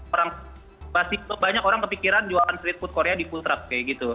orang masih banyak orang kepikiran jualan street food korea di food truck kayak gitu